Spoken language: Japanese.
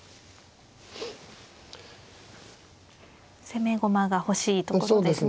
攻め駒が欲しいところですね。